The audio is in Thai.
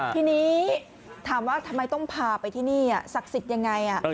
ทีนี้ถามว่าทำไมต้องพาไปที่นี่ศักดิ์สิทธิ์ยังไง